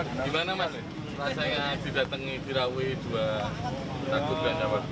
gimana mas rasanya tidak tengi dirawi dua takutkan jawab